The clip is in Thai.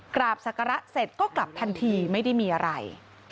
กราบศักระเสร็จก็กลับทันทีไม่ได้มีอะไร